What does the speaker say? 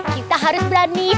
kita harus berani